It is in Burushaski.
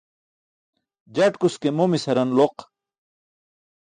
Jatkus ke momis haran loq.